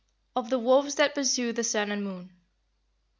OF THE WOLVES THAT PURSUE THE SUN AND MOON 12.